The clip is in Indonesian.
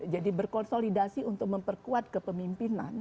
jadi berkonsolidasi untuk memperkuat kepemimpinan